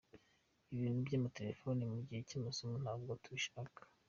Ibintu by’amatelefoni mu gihe cy’amasomo ntabwo tubishaka .